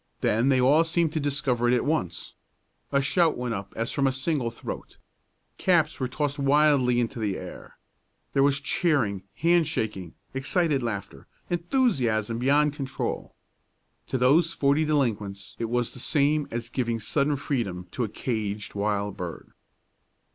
Then they all seemed to discover it at once. A shout went up as from a single throat. Caps were tossed wildly into the air. There was cheering, hand shaking, excited laughter, enthusiasm beyond control. To those forty delinquents it was the same as giving sudden freedom to a caged wild bird.